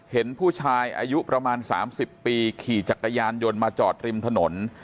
เห็นผู้ชายอายุประมาณ๓๐ปีขี่จักรยานยนต์มาจอดริมถนน